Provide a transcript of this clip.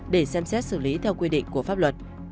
để xem xét xử lý theo quy định của pháp luật